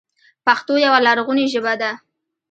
پښتو يوه لرغونې ژبه ده.